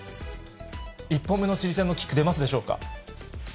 １本目のチリ戦のキック、出ますでしょうか。